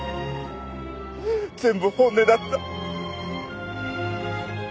全部本音だった。